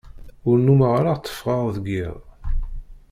Ur nnumeɣ ara tteffɣeɣ deg iḍ.